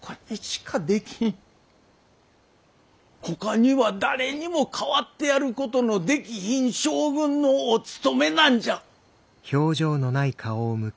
ほかには誰にも代わってやることのできひん将軍のおつとめなんじゃ。